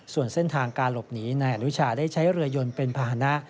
ส่วนเส้นทางการหลบหนีนายอนุชาได้ใช้เรือยนเป็นภาษณะ